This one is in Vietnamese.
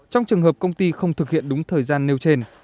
trong trường hợp công ty không thực hiện đúng thời gian nêu trên